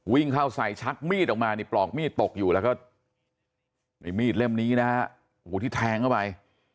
วิ่งเข้าใส่ชักมีดออกมานี่ปลอกมีดตกอยู่แล้วก็ในมีดเล่มนี้นะฮะโอ้โหที่แทงเข้าไป